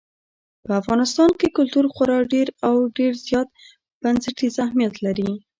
په افغانستان کې کلتور خورا ډېر او ډېر زیات بنسټیز اهمیت لري.